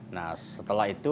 nah setelah itu